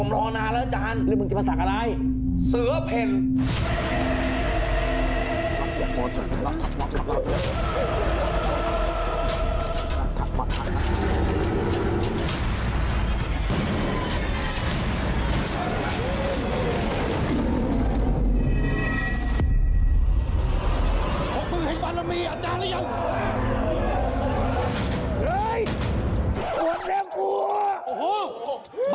โอ้โหดูให้ดูเทียบกันเลยมึงเมื่อกี้ได้ส่งผม